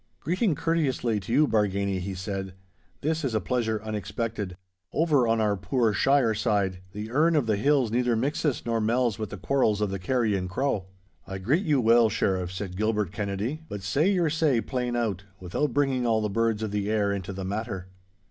'Greeting courteously to you, Bargany,' he said. 'This is a pleasure unexpected. Over on our poor shire side, the erne of the hills neither mixes nor mells with the quarrels of the carrion crow.' 'I greet you well, Sheriff,' said Gilbert Kennedy; 'but say your say plain out, without bringing all the birds of the air into the matter.